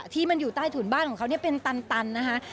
ที่มันอยู่ใต้ถุนบ้านของเขาเป็นตันนะคะ